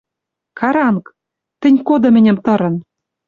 Каранг! Тӹнь коды мӹньӹм тырын